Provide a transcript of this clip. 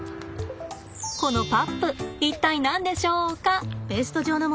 このパップ一体何でしょうか？